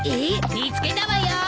見つけたわよ！